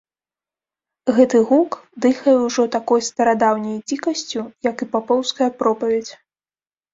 Гэты гук дыхае ўжо такой старадаўняй дзікасцю, як і папоўская пропаведзь.